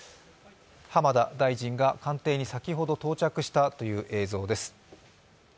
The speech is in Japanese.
浜田大臣が官邸に先ほど到着したという映像です。